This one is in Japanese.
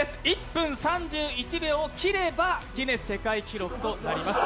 １分３１秒を切ればギネス世界記録となります。